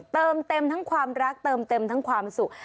เติมเต็มทั้งความรักเติมเต็มทั้งความสุข